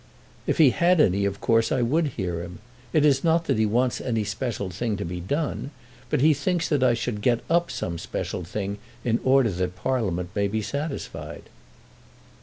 "If he had any, of course, I would hear him. It is not that he wants any special thing to be done, but he thinks that I should get up some special thing in order that Parliament may be satisfied."